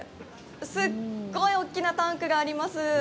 すっごい大きなタンクがあります。